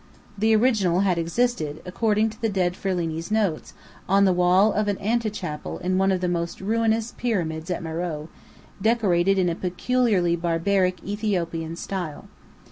The original had existed, according to the dead Ferlini's notes, on the wall of an antechapel in one of the most ruinous pyramids at Meröe, decorated in a peculiarly barbaric Ethiopian style.